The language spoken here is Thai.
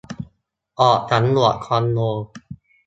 ออกสำรวจคอนโด